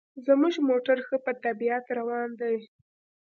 زموږ موټر ښه په طبیعت روان دی.